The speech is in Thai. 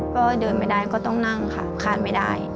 ก็เดินไม่ได้ก็ต้องนั่งค่ะคาดไม่ได้